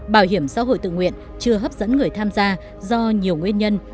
bảo hiểm xã hội tự nguyện chưa hấp dẫn người tham gia do nhiều nguyên nhân